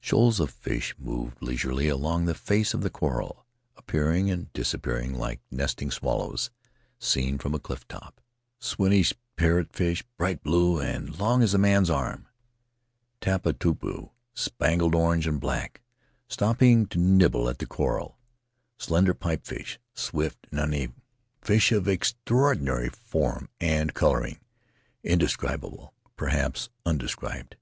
Shoals of fish moved leisurely along the face of the coral — appearing and disappearing like nesting swallows, seen from a cliff top: swinish parrot fish, bright blue and long as a man's arm; taputa'pu, spangled orange and black — stopping to nibble at the coral; slender pipefish; swift nanue; fish of extraordinary form and coloring — indescribable, per haps undescribed.